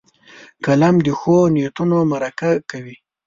قلم د ښو نیتونو مرکه کوي